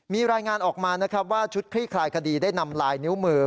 มีรายงานออกมานะครับว่าชุดคลี่คลายคดีได้นำลายนิ้วมือ